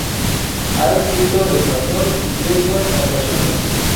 Ha escrito en español y quechua ancashino.